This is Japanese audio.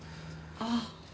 ああ。